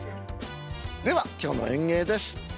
では今日の演芸です。